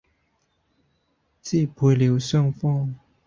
支配了雙方